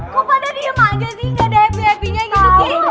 kok pada diem aja sih nggak ada yang happy happynya gitu